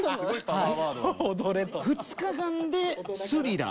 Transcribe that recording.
はい。